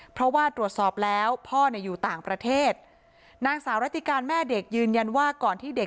เพราะว่าตรวจสอบแล้วพ่อเนี่ยอยู่ต่างประเทศนางสาวรัติการแม่เด็กยืนยันว่าก่อนที่เด็ก